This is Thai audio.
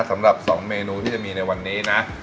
สำหรับ๒เมนูที่จะมีในวันนี้นะ